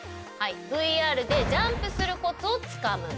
ＶＲでジャンプするコツをつかむ。